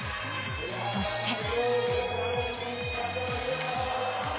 そして。